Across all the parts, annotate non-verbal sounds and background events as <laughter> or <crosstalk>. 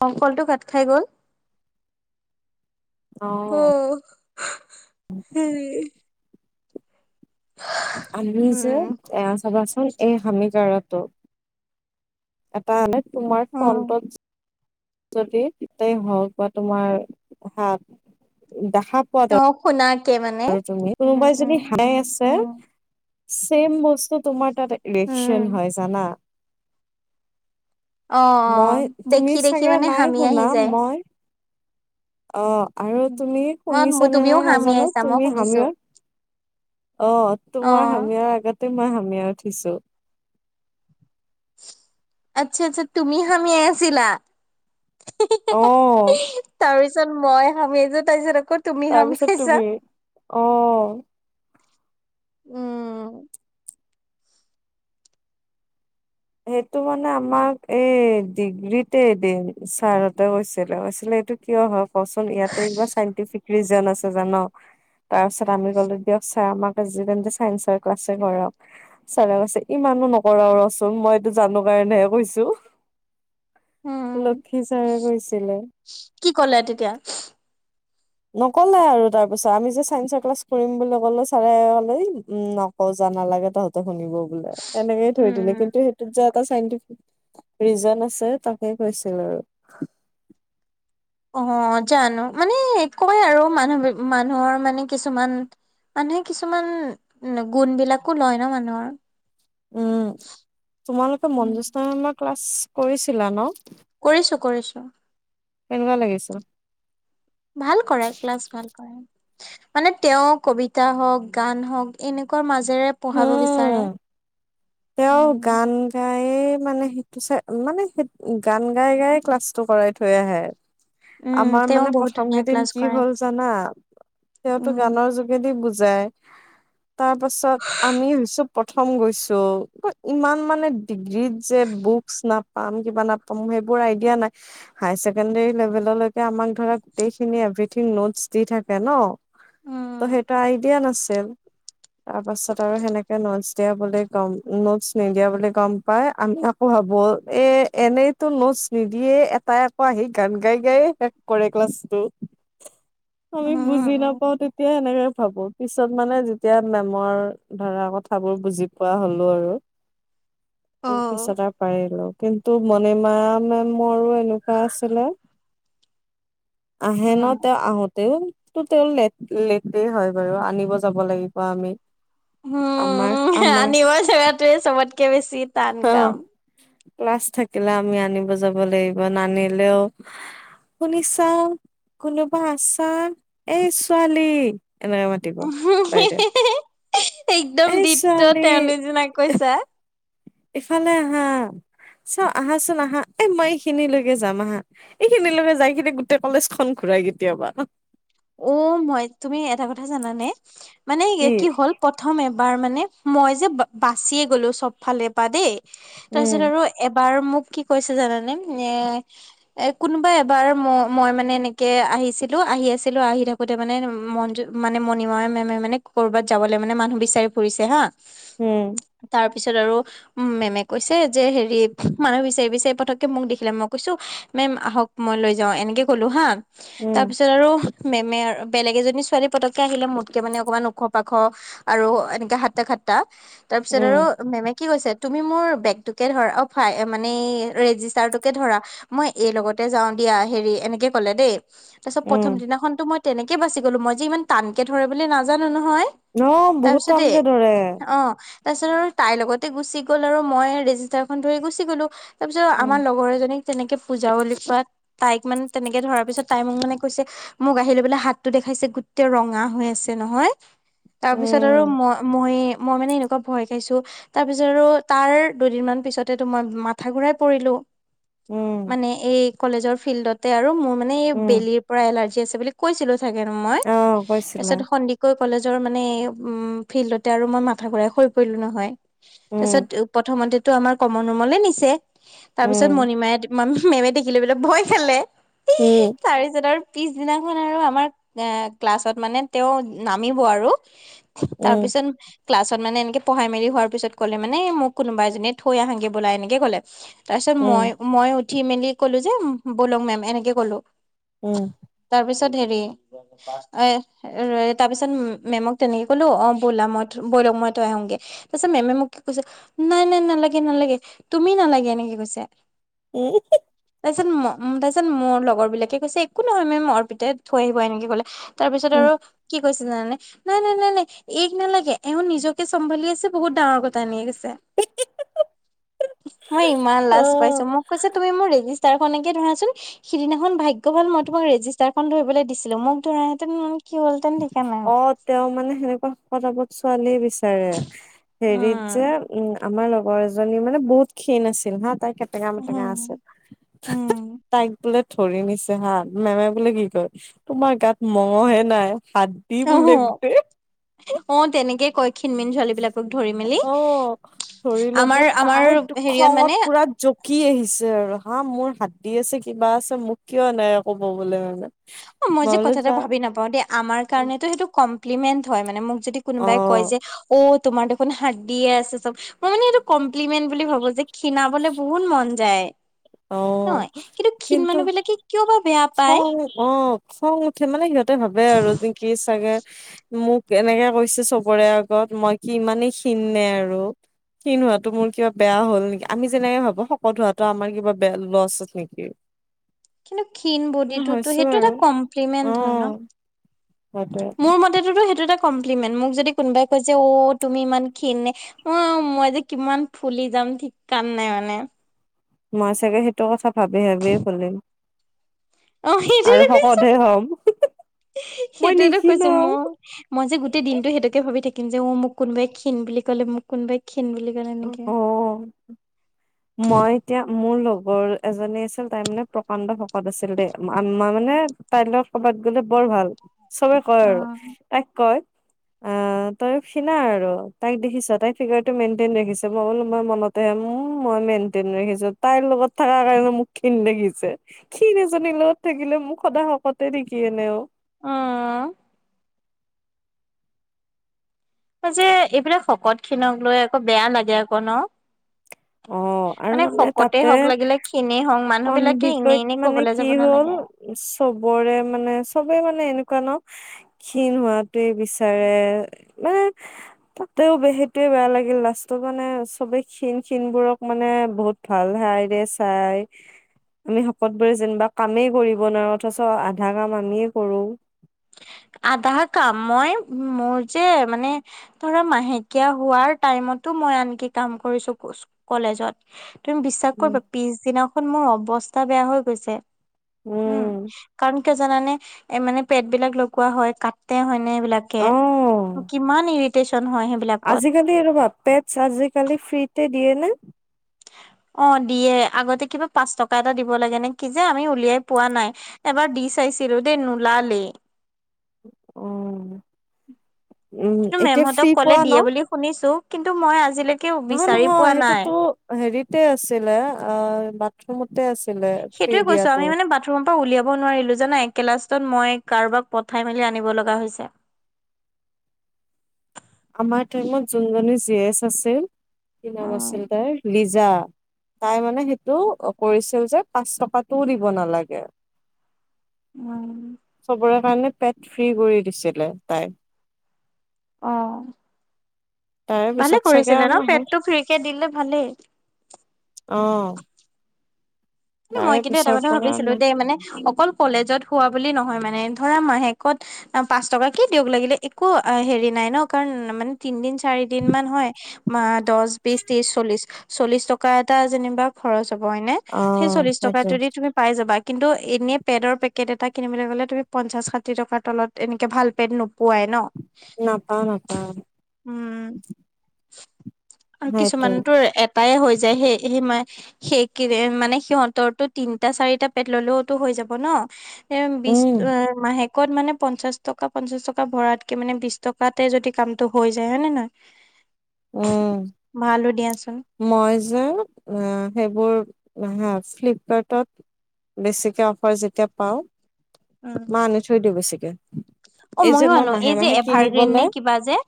কংকলটো কাত খাই গ'ল। অ', উম আমি যে উম, এ চাবাচোন এই হামিকাৰতো এটা আনে তোমাৰ অ', ফণ্টত যদি হওঁক বা তোমাৰ হাত দেখা পোৱাত অ শুনাকে মানে আৰু তুমি উ উম উম উম চেম বস্তু তোমাৰ তাত ইলেচন উম, হয় জানা অ', মই অ', তুমি দেখি দেখি চাগে মানে নাই হামি আহি শুনা যায়। মই অ আৰু তুমি মই শুনিছানে তুমিও নে হামি নাজানো আহিছা মই তুমি শুনিছো হামিয়ৰ অ তোমাৰ অ', হামিয়াৰ আগতে মই হামিয়াই উঠিছো আচ্ছা আচ্ছা তুমি হামিয়াই আছিলা? হি অ', হি হি তাৰপিছত মই হামিয়াই ছো তাৰপিছত আকৌ তুমি তাৰপিছত হামিয়াইছা, তুমি অ'। উম সেইটো মানে আমাক এই ডিগ্ৰীতেদ ছাৰতে গৈছিলে গৈছিলে সেইটো কিয় হয় কচোন ইয়াতে ইবাৰ চাইন্টিফিক ৰিজন আছে জান। তাৰ পিছত আমি গ'লো দিয়ক ছাৰ আমাক যি তে চাইন্সৰ ক্লাছে কৰক ছাৰে কছে ইমান, নকৰা ৰচোন মই এইটো জানো কাৰণেহে কৈছো উম, লক্ষী ছাৰে কৈছিলে, কি ক'লে তেতিয়া নকলে আৰু তাৰ পিছত আমি যে চাইন্সৰ ক্লাছ কৰিম বুলি কলে চাৰে হলে উ নক যা ইমান ভাল লাগে তহঁতে শুনিব বোলে এনেকেই থৈ উম। দিলে কিন্তু সেইটোত যে এটা চাইণ্টিফিক ৰিজন আছে তাকে কৈছিল আৰু অ জানো মানে কয় আৰু মানুহ মানুহৰ মানে কিছুমান মানুহে কিছুমান গুণ বিলাকো লয় ন মানুহৰ উম তোমালোকে উম মনজুশৰ্মা ক্লাছ কৰিছিলা ন? কৰিছো কৰিছো কেনেকুৱা লাগিছিল? ভাল কৰে ক্লাছ ভাল কৰে মানে তেওঁ কবিতা হওঁক গান হওঁক এনেকুৱা মাজ ৰে পঢ়াব বিচাৰে, হুম তেওঁ উম গান গাই মানে সেইটো চাই মানে সেই গান গাই গাই ক্লাছ টো কৰাই থৈ আহে উম আমাৰ তেওঁ মানে বহুত প্ৰথম ধুনীয়া কেইদিন ক্লাছ কি কৰে হ'ল জানা তেওঁতো উম গানৰ যোগেদি বুজ য তাৰ পাছত আমি হৈছো প্ৰথম গৈছো। ইমান মানে ডিগ্ৰীত যে বুকচ নাপ পাম কিবা নাপাম সেইবোৰ আইডিয়া নাই হাই ছেকেণ্ডাৰী লেভেললৈকে আমাক ধৰা গোটেই খিনি এভথিং নোটচ দি থাকে ন ত উম সেইটো আইডিয়া নাছিল তাৰ পাছত আৰু সেনেকে নটছ দিয়া বুলি গ'ম নোটচ নিদিয়া বুলি গম পাই আমি আকৌ ভাবো এ এনেইতো নোটচ নিদিয়ে তাই আকৌ আহি গান গাই গাই শেষ কৰে ক্লাছটো আমি বুজি উম নাপাও তেতিয়া সনেকে ভাবো পিছত মানে যেতিয়া মেমৰ ধৰা কথাবোৰ বুজি পোৱা হ'ল আৰু অ ত পিছত আৰু পাৰিল কিন্তু মণিমা মেমৰো এনেকুৱা আছিলে আহে ন উম তেওঁ আহোঁতে। তো তেওঁ লেট লেটে হয় বাৰু আনিব যাব লাগিব আমি আমাৰ আমাৰ শৱ চেৰাটোৱে চবতকে বেছি টান অ কাম <unintelligible> ক্লাছ থাকিলে আমি আনিব যাব লাগিব নানিলেও। শুনি চাও কোনোবা আছা এই ছোৱালী। এনেকে মাতিব বাইদেউ একদম এই দীপ্ত ছোৱালী তেওঁ নিছিনা কৈছা‌। ইফালে আহা। চাও আহাচোন আহা এ মই এইখিনিলৈকে যাম আহা এইখিনিলকে যাই কিনে গোটেই কলেজ খন ঘূৰি, কেতিয়াবা- অ মই তুমি এটা কথা জানানে মানে কি হ'ল প্ৰথমে- এবাৰ মানে মই যে বাচিয়ে গ'লো চব ফালে পৰা দেই- উম তাৰপিছত আৰু এবাৰ মোক- কি কৈছে জানানে এ এ কোনোবা এবাৰ ম মই মানে এনেকে আহিছিলো আহি আ- আছিলো আহি থাকোতে মানে মনু মানে মণিমা মেমে মানে ক'ৰবাত যাবলৈ মানে মানুহ বিচাৰি ফুৰিছে হা। উম তাৰ- তাৰ পিছত আৰু উ মেমে কৈছে যে হেৰি মানুহ বিচাৰি বিচাৰি পতককে মোক দেখিলে মই কৈছো। মেম আহক মই লৈ যাওঁ এনেকে ক'লো হা উম তাৰ পিছত আৰু মেমে বেলেগ এজনী ছোৱালী পতককে আহিলে মোতকে মানে অকমান ওখ পাখ আৰু এনেকে হাতটা খাটটা- তাৰ পিছত উম আৰু মেমে কি কৈছে? তুমি মোৰ বেগটোকে ধৰা ফাই মানে ৰেজিষ্টাৰ টোকে ধৰা মই এই লগতে যাওঁগে। য়া হেৰি এনেকে কলে দেই তাৰ পিছত উম প্ৰথম দিনা তেনেকে বাচি গলো মই যে ইমান টানকে ধৰে বুলি নাজানো ন হয় ন বহুত তাৰপিছত দেই টানকে ধৰে অ তাৰ পিছত আৰু তাইৰ লগতে গুচি গ'ল আৰু মই ৰেজিষ্টাৰখন ধৰি গুচি গলো। তাৰপিছত উম আমাৰ লগৰ এজনীক- তেনেকে পূজা বুলিল পাত তাইক মানে তেনেকে ধৰাৰ পিছত তাই মোক মানে কৈছে। মোক আহি লৈ বলে হাতটো দেখাইছে গোটেই ৰঙা হৈ আছে নহয়। তাৰপিছত আৰু উম মই মই- মই মানে এনেকুৱা ভয় খাইছো তাৰ পিছত আৰু তাৰ দুদিনমান পিছতেতো মই মাথা ঘুৰাই পৰিলো। উম মানে এই কলেজৰ ফিল্ডতে আৰু মোৰ মানে এই উম বেলিৰ পৰা এলাৰ্জি- আছে বুলি কৈছিলো চাগে মই অ কৈছিলা তাৰপিছত সন্দিকৈ- কলেজৰ মানে উ ফিল্ডতে আৰু মই মাথা ঘুৰাই হৈ পৰিলো নহয়। তাৰ উম পিছত প্ৰথমতেতো আমাৰ কমল ৰুমলে নিছে তাৰ উম পিছত মণিমাই- মেমে দেখিলো বোলে ভয় খালে উম তাৰিছত আৰু পিছ- পিছদিনাখন আৰু আমাৰ এ ক্লাছত মানে তেওঁ নামিব আৰু- উম, তাৰপিছত- ক্লাছত মানে এনেকে পঢ়ায় মেলি হোৱাৰ পিছত ক'লে মানে মোক কোনোবা এজনীয়ে থৈ আহাগে বোলাই এনেকে কলে- তাৰ পিছত উম, মই মই উঠি মেলি কলো যে বলক মেম এনেকে কলো উম! তাৰপিছত হেৰি এ তাৰ পিছত মেমক তেনেকে ক'লো অ ব'লা মই বলক মইতো আহোগে। তাৰ পাছত মেমে মোক কি কৈছে নাই নাই নালাগে নালাগে তুমি নালাগে এনেকে কৈছে। উম! তাৰপিত ম তাৰপিত মোৰ লগৰ বিলাকে কৈছে একো নহয় মেম মৰ অৰপিতাই থৈ আহিব এনেকে কলে। তাৰপিছত উম, আৰু কি কৈছে জানে নাই নাই নাই নাই এক নালাগে এওঁ নিজকে চম্ভালি আছে বহুত ডাঙৰ কথানিয়ে গৈছে। মই ইমান লাজ পাইছো অ'। মোক কৈছে তুমি মোৰ ৰেজ- তাৰনেকে ধৰাচোন সিদিনাখন ভাগ্য ভাল মই তোমাৰ- ৰেজিষ্টাৰখন ধৰিবলৈ দিছিলো মোক ধৰাইহেতেন- অ তেওঁ মানে সেনেকুৱা কৰা। ছোৱালী বিচাৰে হেৰিত উম যে উম- আমাৰ লগৰ এজনী মানে বহুত ক্ষীণ আছিল হাত- তাই কেটেঙা উম মেটেঙা আছিল উম তাইক বোলে- ধৰি নিছে হাত মেমে বোলে কি কয় তোমাৰ গাত মঙহে নাই। শাদি অহ বোলে গোটেই- অ তেনেকে কয়ক্ষিণমিন ছোৱালী বিলাকক ধৰি মেলি- অ'। ধৰি লব আমাৰ আমাৰ তাইটো হেৰিয়ত খঙত মানে পুৰা জকি আহিছে আৰু হা মোৰ হাত দি আছে কিবা আছে মোক কিয় নাই আ কব বোলে। অ মই যে বোলো কথা যা ভাবি নাপাও দ আমাৰ কাৰণে সেইটো্ কম্পিলিমেন হয়। মোক যদি কোনোবাই কয় অ', যে অ তোমাৰ দেখোন হাৰ্ডি দিয়ে আছে চব মই মানে এইটো কম- কম্পমেট বুলি ভাবো যে খীণাবলে বহুত মন যায়। অ', নহয় কিন্তু ক্ষীণ মানুহ বিলাকে কিয় ভ। খং অ খং উঠে মানে সিহঁতে ভাবে আৰু ন কি চাগে মোক। কেনেকে কৈছো চবৰে আগত মই কি ইমানেই ক্ষণ নে আৰু। সিন হোৱাটো মোৰ কিবা বেয়া হ'ল নেকি আমি যেনেকে ভাবো শকত হোৱাটো আমাৰ কিবা বেয়া লছ নেকি। <unintelligible> কিন্তু ক্ষীণ উ বডিটোতো হৈছো সেইটো এটা আৰু অ কমপ্লিমেণ্ট হয় ন। সেইটোৱে মোৰ মতেতোতো সেইটো। মই এটা কমপ্ৰন মেইন মোক জদি কয়জে অ হ তোমি ইমান খিনি নে অহ মই য়ে কিমান ফোলিম? যাম ঠিক কান নাই মানে। মই চাগে সেইটো কথা ভাবি ভাবিয় কলম। অ সেই যছ। হম মই সেইটোয়েতো কৈছো নিক্ষীণাও মোৰ মই যে গোতেই দিনটো সেইটোকে ভাবি থাকিম? যে মোক কোনোবাই বুলি কলে বোলি মোক কোনোবাই? ক্ষীণ বুলি ক'লে এনেকে অ মই এতিয়া মোৰ লগত। ৰ এজনী আছিল তাই মানে প্ৰকাণ্ড ভকত আছিলে আাৰ মানে তাইৰ লগত কৰ'বাত গ'লে বৰ। ভাল চবে কয় আৰু অ' তাইক কয়। অ তই সিনা আৰু তাইক দেখিছ তাইৰ ফিগাৰটো মেইন। মই বোলো মই মনতে হে মই মেইনটেইন ৰাখিছো তাইৰ লগত থকাৰ কাৰণে মোকিন দেখি। ক্ষীৰ এজনীৰ লগত থাকিলে মোক সদায় শকতে নেকি এনেও? আহ। যে এইবিলাক শকত খিনক লৈ আকৌ বেয়া লাগে আকৌ ন। অ হয় আৰু মানে শকতে তাতে হওক লাগিলে ক্ষীণেই হওক মানুহ বিলাকে এনে অমবিকেট এনে মানে কবলৈ কি যাব হ'ল। নালাগে চবৰে মানে চবে মানে এনেকুৱা ন। ক্ষীণ হোৱাতোৱে বিচাৰে মানে তাতেওে সেইটয়ে বেয়া লাগিল লাষ্টত। মানে চবে ক্ষীণ ক্ষীণবোৰক মানে বহুত ভাল ভাল কে চাই। আমি শকতবোৰে যেনিবা কামেই কৰিব নোৱাৰো অথচ আধা কাম আমিয় কৰো। আধা কাম মই মোৰ যে মানে ধৰা মাহেকীয়া হোৱাৰ টাইম। তো মই আনকি কাম কৰিছো কলেজত। তুমি বিশ্বাস উম কৰিবা পিছদিনাখন মোৰ অৱস্থা বেয়া হৈ গৈছে? উম কাৰণ কিয় জানানে এ মানে পেট বিলাক লগোৱা হয় কাটে হয় নে। বিলাকে অ কিমান নিতি। আজিকালি এইবা পেটছ আজিকালি ফ্ৰীতে দিয়ে ন। অ দিয়ে আগতে কিবা পাঁচ টকা এটা দিব লাগে নে কি যে আমি উলিয়াই পোৱা নাই এবাৰ দি চাই। দিচিলো দেই নোলালেই। অ উম কিন্তু এতিয়া মেমহতক ফ্ৰী ক'লে পোৱা ন দিয়ে বুলি শুনিছো কিন্তু মই আজিলৈকে? নহয় বিচাৰি নহয় পোৱা নাই। সেইটোতো হেৰিতে আছিলে অ বাথৰুমত। সেইটোয়ে কৈছো আমি মানে বাথৰুম? পৰা উলিয়াব নোৱাৰিলো জানােলাছত মই কাৰোবাক পঠাই মেলি আনিব লগা হৈছে? <unintelligible> আমাৰ টাইমত যোনজনী জি এচ আছিল স নাম উম আছিল তাৰ লিজা। তাই মানে সেইটো কৰিছিল যে পাঁচ টকাটোও দিব নালাগে? উম মানে পেট ফ্ৰী কৰি দিছিলে তাই। অ তাৰে ভালে পিছত চাগে কৰিছিলে আৰু ন নাহে পেটটো ফ্ৰীকে দিলে ভালেই? অঁ মই কিন্তু এটা কথা ভাবিছিলো নাই দে মানে অকল কলেজত। খোৱা বুলি নহয় মানে, ধৰা মাহেকত পাঁচ টকা কে দিয়ক লাগিলে একো হেৰি নাই ন, কাৰণ- উম' মানে তিনদিন চাৰি দিন মান হয়। অ দশ, বিশ, ত্ৰিশ, চল্লিশ, চল্লিশ টকা এটা যেনিবা খৰচ হ'ব হয়নে। অ সেই চল্লিশ সেইটোৱে টকাতোয়েদি তুমি পাই যাবা। কিন্তু এনে পেডৰ পেকেট এটা কিনিবলৈ গ'লে তুমি পঞ্চাশ, ষাঠি টকাৰ তলত এনেকে ভাল পেড নোপোৱাই ন। নাপাওঁ নাপাওঁ। উম আৰু কিছুমানতো এটাই হৈ যায়, সেই সেই সেই কি মানে সিহঁতৰটো তিনটা, চাৰিটা পেট ললেওতো হৈ যাব ন। এ বি' উম মাহেকত মানে- পঞ্চাশ টকা, পঞ্চাশ টকা ভৰাতকে মানে বিশ টকাতে যদি কামটো হৈ যায় হয়ে নে নহয়। উম' ভালো দিয়াচোন মই যে আহ' সেইবোৰ হা' ফ্লিপকাৰ্টত বেছিকে অফাৰ যেতিয়া পাওঁ- উম মা আনি থৈ দিওঁ বেছিকে। অ এই যে ময়ো মই আনো, মাহে এই যে মাহে এভাৰগ্ৰীণ কিনিবলে নে কিবা যে,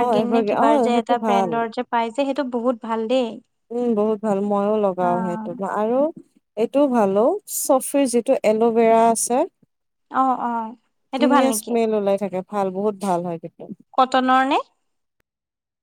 অ এভাৰ নে অ কিবা যে সেইটো এটা- ভাল ব্ৰেণ্ডন যে পাই যে, সেইটো বহুত ভাল দেই। উম বহুত ভাল, ময়ো অ লগাও সেইটো আৰু এইটোও ভাল অ' চফিৰ যিটো এল'ভেৰা আছে। অ অ সেইটো ভাল ধুনীয়া নেকি স্মেল ওলাই থাকে ভাল, বহুত ভাল হয় তেতিয়া। কটনৰ নে?